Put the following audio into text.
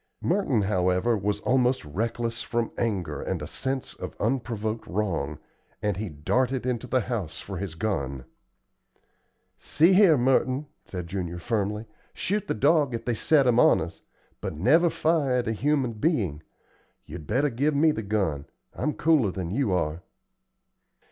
Merton, however, was almost reckless from anger and a sense of unprovoked wrong, and he darted into the house for his gun. "See here, Merton," said Junior, firmly, "shoot the dog if they set him on us, but never fire at a human being. You'd better give me the gun; I am cooler than you are."